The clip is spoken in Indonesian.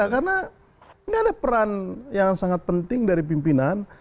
karena ini ada peran yang sangat penting dari pimpinan